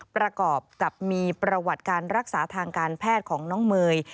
ประกอบกับมีประวัติการรักษาทางการแพทย์ของน้องเมย์